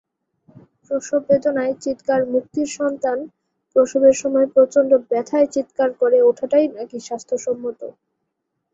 প্রসববেদনায় চিত্কার মুক্তিরসন্তান প্রসবের সময় প্রচণ্ড ব্যথায় চিত্কার করে ওঠাটাই নাকি স্বাস্থ্যসম্মত।